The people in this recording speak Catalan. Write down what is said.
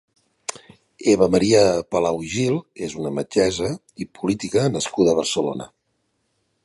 Eva Maria Palau i Gil és una metgessa i política nascuda a Barcelona.